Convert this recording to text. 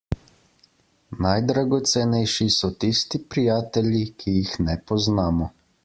Najdragocenejši so tisti prijatelji, ki jih ne poznamo.